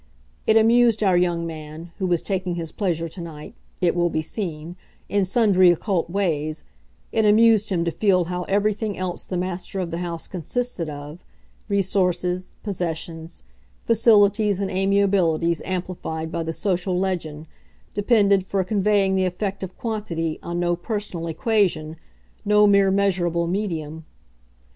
It amused our young man, who was taking his pleasure to night, it will be seen, in sundry occult ways, it amused him to feel how everything else the master of the house consisted of, resources, possessions, facilities and amiabilities amplified by the social legend, depended, for conveying the effect of quantity, on no personal "equation," no mere measurable medium.